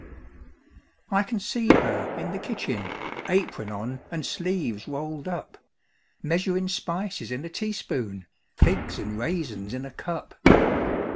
I can see her in the kitchen, Apron on and sleeves rolled up, Measurin' spices in a teaspoon, Figs and raisins in a cup.